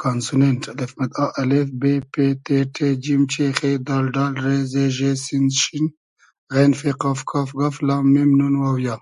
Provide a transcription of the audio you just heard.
کانسونېنݖ: آ ا ب پ ت ݖ ج چ خ د ۮ ر ز ژ س ش غ ف ق ک گ ل م ن و ی